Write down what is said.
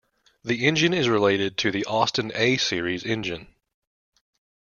The engine is related to the Austin A-Series engine.